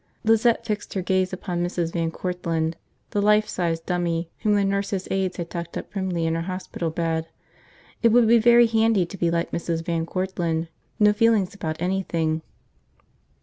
Lizette fixed her gaze upon Mrs. Van Courtland, the life size dummy whom the nurses' aides had tucked up primly in her hospital bed. It would be very handy to be like Mrs. Van Courtland, no feelings about anything.